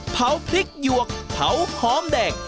เผาพริกหยวกเผาหอมแดง